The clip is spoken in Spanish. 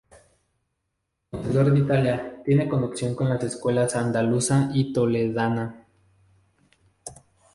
Conocedor de Italia, tiene conexión con las escuelas andaluza y toledana.